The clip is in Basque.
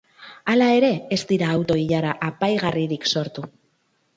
Hala ere, ez dira auto-ilara aipagarririk sortu.